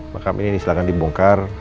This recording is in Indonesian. makam ini silahkan dibongkar